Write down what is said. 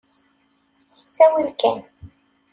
S ttawil kan.